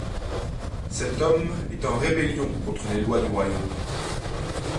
Cet homme est en rébellion contre les lois du royaume.